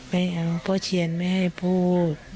ไม่เอาก็เชียนไม่ให้พูด